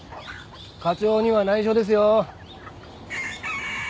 課長には内緒ですよ。